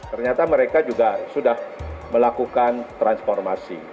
ternyata mereka juga sudah melakukan transformasi